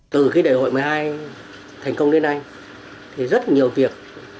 từ khi đại hội một mươi hai thành công đến nay thì rất nhiều việc